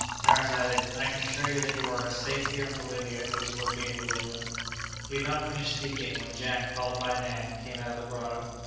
Harris added, "I can assure you that you are as safe here in Bolivia as you would be in New England." He had not finished speaking, when Jack, followed by Nan, came out of the grotto.